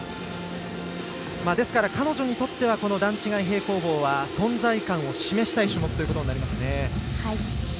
ですから、彼女にとっては段違い平行棒は存在感を示したい種目ということになりますね。